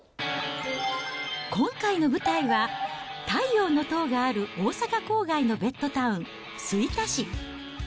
今回の舞台は、太陽の塔がある大阪郊外のベッドタウン、吹田市。